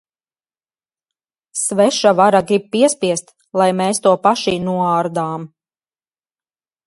Sveša vara grib piespiest, lai mēs to paši noārdām.